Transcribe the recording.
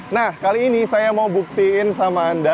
nah kali ini saya mau buktiin sama anda